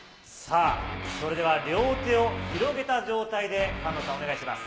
それでは両手を広げた状態で、菅野さん、お願いします。